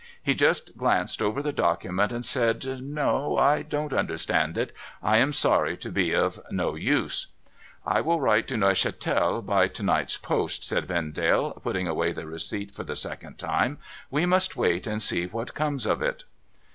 He just glanced over the document, and said, ' No ; I don't understand it ! I am sorry to be of no use.' ' I will write to Neuchatel by to night's post,* said Vendale, putting away the receipt for the second time. ' We must wait, and see what comes of it.'